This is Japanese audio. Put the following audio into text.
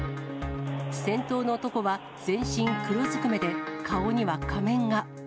先頭の男は全身黒ずくめで、顔には仮面が。